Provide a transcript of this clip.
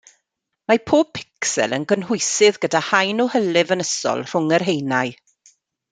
Mae pob picsel yn gynhwysydd gyda haen o hylif ynysol rhwng yr haenau.